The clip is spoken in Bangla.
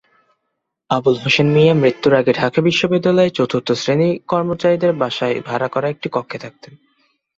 আবুল হোসেন মিয়া মৃত্যুর আগে ঢাকা বিশ্ববিদ্যালয়ে চতুর্থ শ্রেণি কর্মচারীদের বাসায় ভাড়া করা একটি কক্ষে থাকতেন।